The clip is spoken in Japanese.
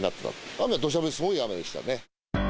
雨、土砂降りすごい雨でしたね。